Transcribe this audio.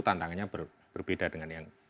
tantangannya berbeda dengan yang